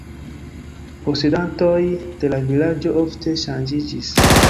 Posedantoj de la vilaĝo ofte ŝanĝiĝis.